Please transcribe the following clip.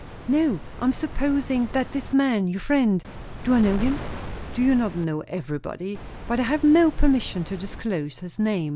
"No! I am supposing that this man, your friend Do I know him?" "Do you not know everybody? But I have no permission to disclose his name."